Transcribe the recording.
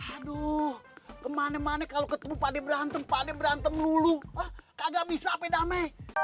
aduh kemana mana kalau ketemu pade berantem pade berantem lulu kagak bisa peda me